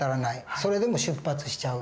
それでも出発しちゃう。